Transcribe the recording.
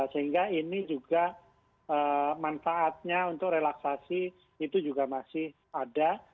sehingga ini juga manfaatnya untuk relaksasi itu juga masih ada